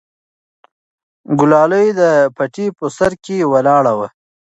ګلالۍ د پټي په سر کې ولاړه وه.